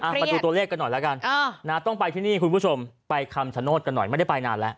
มาดูตัวเลขกันหน่อยแล้วกันต้องไปที่นี่คุณผู้ชมไปคำชโนธกันหน่อยไม่ได้ไปนานแล้ว